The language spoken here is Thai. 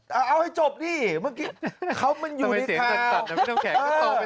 เอาให้จบนี่เขาอยู่ในข้าว